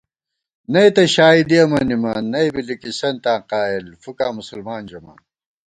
نئ تہ شائیدِیَہ مَنِمان ،نئ بی لِکِسنتاں قایېل ، فُکاں مسلمان ژَمان